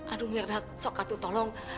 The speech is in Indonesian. aduh merantong atu tolong